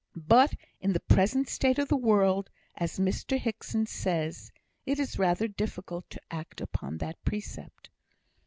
"But in the present state of the world, as Mr Hickson says, it is rather difficult to act upon that precept."